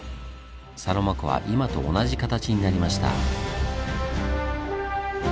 サロマ湖は今と同じ形になりました。